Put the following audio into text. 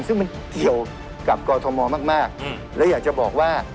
ซึ่งมันเกี่ยวกับกรทมมากและอยากจะบอกว่า